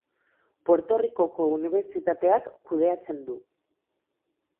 Puerto Ricoko Unibertsitateak kudeatzen du.